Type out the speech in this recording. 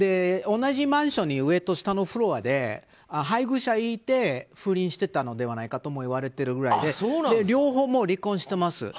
同じマンションに上と下のフロアで配偶者がいて不倫していたのではないかとも言われているくらいで両方離婚してます。